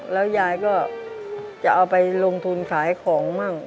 แล้วยายก็จะเอาไปลงทุนขายของมั่ง